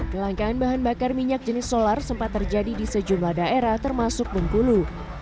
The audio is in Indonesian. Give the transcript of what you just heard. kelangkaan bahan bakar minyak jenis solar sempat terjadi di sejumlah daerah termasuk bengkulu